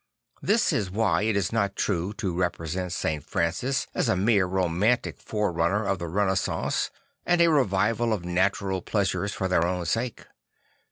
This is why it is not true to represent St. Francis as a mere romantic fore runner of the Renaissance and a revival of natural pleasures for their own sake.